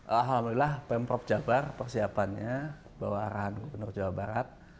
alhamdulillah pemprov jabar persiapannya bawa arahan gubernur jawa barat